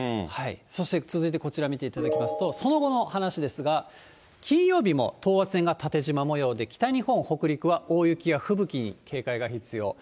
そして続いてこちら見ていただきますと、その後の話ですが、金曜日も等圧線が縦じま模様で、北日本、北陸は大雪や吹雪に警戒が必要。